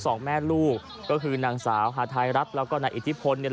สองแม่ลูกก็คือนางสาวฮาทายรัฐแล้วก็นายอิทธิพล